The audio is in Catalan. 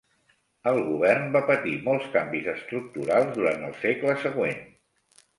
El govern va patir molts canvis estructurals durant el segle següent.